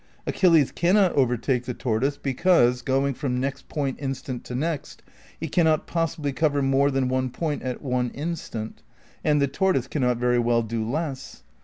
Achilles can not overtake the tortoise because, going from next point instant to next, he cannot possibly cover more than one point at one instant, aid the tortoise cannot very well do less.